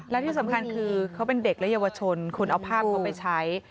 และที่สำคัญคือเขาเป็นเด็กและเยาวชนคุณเอาภาพเขาไปใช้